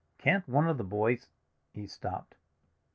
"Can't one of the boys—" He stopped.